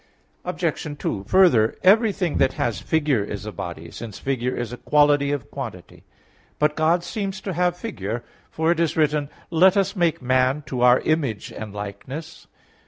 Obj. 2: Further, everything that has figure is a body, since figure is a quality of quantity. But God seems to have figure, for it is written: "Let us make man to our image and likeness" (Gen. 1:26).